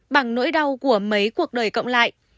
bằng nỗi đau của mấy cuộc đời cộng lại